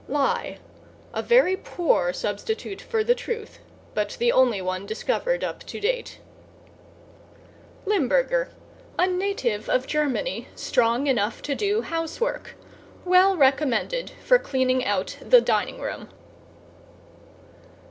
=LIE= A very poor substitute for the truth but the only one discovered up to date. =LIMBURGER= A native of Germany strong enough to do housework; well recommended for cleaning out the dining room.